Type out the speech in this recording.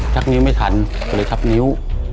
นิ้วไม่ทันก็เลยทับนิ้ว